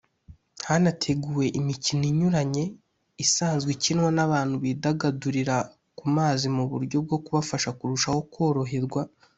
hanateguwe imikino inyuranye isanzwe ikinwa n’abantu bidagadurira ku mazi mu buryo bwo kubafasha kurushaho kuroherwa